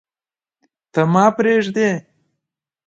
ته، ما پریږدې